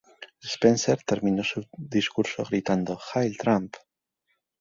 Spencer terminó su discurso gritando "¡Hail Trump!